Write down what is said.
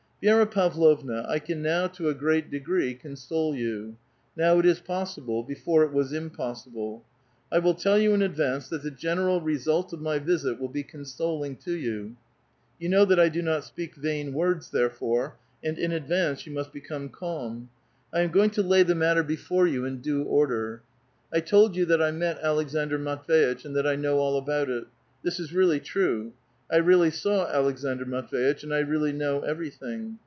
" Vi^ra Pavlovna, I can now, to a great degree, console you. Now it is possible ; before it was impossible. I will tv'll 3'ou in advance that the general result of my visit will be consoling to you ; 3'ou know that I do not speak vain words, therefore, and in advance, you must becx)me calm. I am going to lay the matter before you in due order : I told you that I met Aleksandr Matv^itch, and that I know all abont it. This is really true ; I really saw Aleksandr Matv^iteh, and I really know everything.